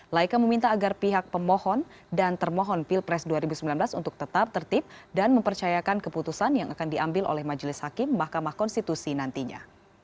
laika meminta agar pihak pemohon dan termohon pilpres dua ribu sembilan belas untuk tetap tertib dan mempercayakan keputusan yang akan diambil oleh majelis hakim mahkamah konstitusi nantinya